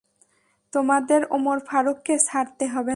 তোমাদের ওমর ফারুককে ছাড়তে হবে না।